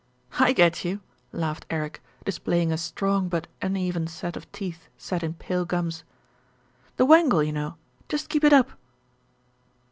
' "I get you," laughed Eric, displaying a strong but uneven set of teeth set in pale gums. "The wangle, you know, just keep it up."